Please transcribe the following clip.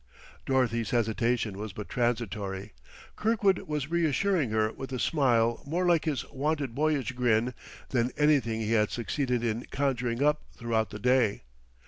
Dorothy's hesitation was but transitory; Kirkwood was reassuring her with a smile more like his wonted boyish grin than anything he had succeeded in conjuring up throughout the day.